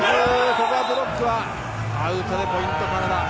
ここはブロックはアウトでポイントはカナダ。